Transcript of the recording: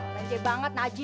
pencet banget najis